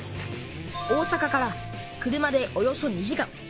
大阪から車でおよそ２時間。